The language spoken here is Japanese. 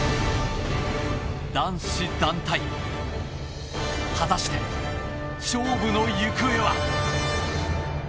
男子団体果たして勝負の行方は。